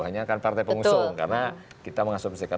bawahnya kan partai pengusung karena kita mengasopsikan